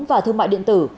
và thương mại điện tử